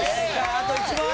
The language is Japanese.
あと１問。